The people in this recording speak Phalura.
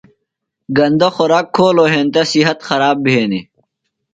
گندہ خوراک کھولوۡ ہینتہ صحت خراب بھینیۡ۔